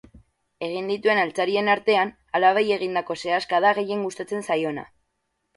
Egin dituen altzarien artean, alabei egindako sehaska da gehien gustatzen zaiona.